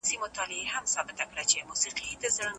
پخوا سياست د اوسني وخت تر سياست محدود و.